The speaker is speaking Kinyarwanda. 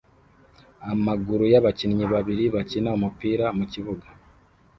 amaguru y'abakinnyi babiri bakina umupira mukibuga